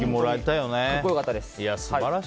格好良かったです。